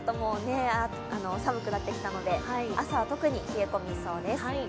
寒くなってきたので、朝は特に冷え込みそうです。